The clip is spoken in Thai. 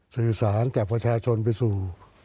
สื่อสารจากประชาชนไปสู่